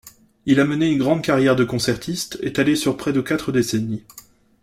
Il a mené une grande carrière de concertiste, étalée sur près de quatre décennies.